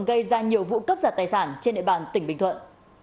gây ra nhiều vụ cấp giật tài sản trên địa bàn tỉnh bình thuận